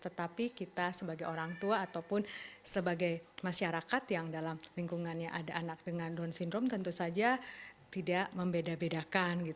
tetapi kita sebagai orang tua ataupun sebagai masyarakat yang dalam lingkungannya ada anak dengan down syndrome tentu saja tidak membeda bedakan